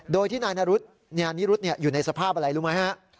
โดยที่นายนิรุธอยู่ในสภาพอะไรรู้ไหมฮะ